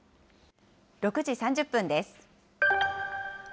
６時３０分です。